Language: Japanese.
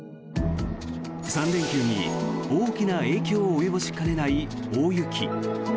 ３連休に大きな影響を及ぼしかねない大雪。